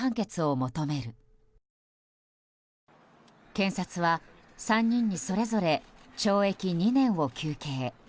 検察は３人にそれぞれ懲役２年を求刑。